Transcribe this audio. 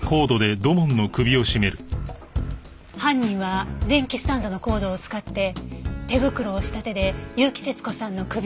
犯人は電気スタンドのコードを使って手袋をした手で結城節子さんの首を絞めた。